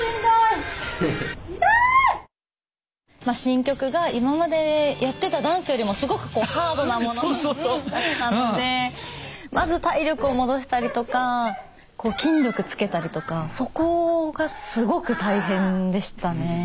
まあ新曲が今までやってたダンスよりもすごくハードなものだったのでまず体力を戻したりとかこう筋力つけたりとかそこがすごく大変でしたね。